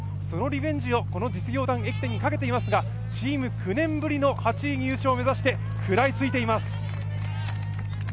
そのリベンジをこの実業団駅伝にかけていますが、チーム９年ぶりの８位入賞を目指して食らいついています。